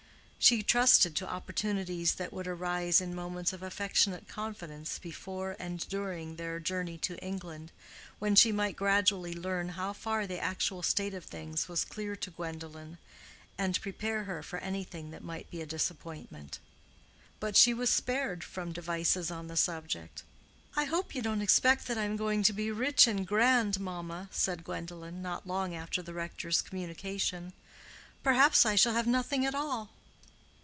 She trusted to opportunities that would arise in moments of affectionate confidence before and during their journey to England, when she might gradually learn how far the actual state of things was clear to Gwendolen, and prepare her for anything that might be a disappointment. But she was spared from devices on the subject. "I hope you don't expect that I am going to be rich and grand, mamma," said Gwendolen, not long after the rector's communication; "perhaps I shall have nothing at all."